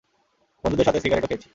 বন্ধুদের সাথে সিগারেট ও খেয়েছি।